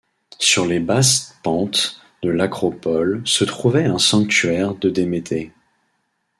Sur les basses pentes de l'acropole se trouvait un sanctuaire de Déméter.